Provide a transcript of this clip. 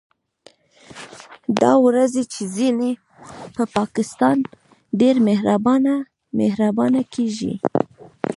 دا ورځې چې ځينې په پاکستان ډېر مهربانه مهربانه کېږي